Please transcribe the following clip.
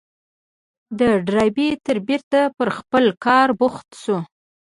د ډاربي تره بېرته پر خپل کار بوخت شو.